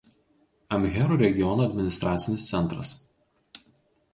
Amherų regiono administracinis centras.